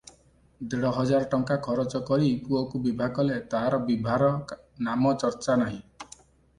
ଦେଢ଼ ହଜାର ଟଙ୍କା ଖରଚ କରି ପୁଅକୁ ବିଭା କଲେ, ତାର ବିଭାର ନାମ ଚର୍ଚ୍ଚା ନାହିଁ ।